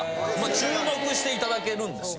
注目して頂けるんですよ。